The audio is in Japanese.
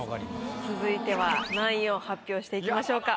続いては何位を発表していきましょうか？